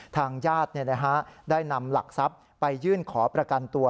ทางญาติได้นำหลักทรัพย์ไปยื่นขอประกันตัว